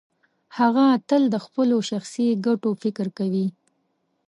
هغه تل د خپلو شخصي ګټو فکر کوي.